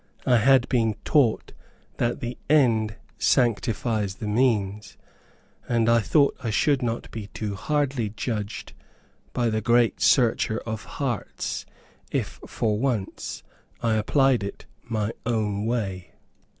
I had been taught that "the end sanctifies the means," and I thought I should not be too hardly judged by the great searcher of hearts, if, for once, I applied it in my own way.